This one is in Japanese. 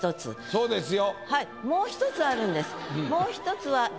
そうですよ。